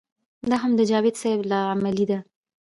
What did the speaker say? دا هم د جاوېد صېب لا علمي ده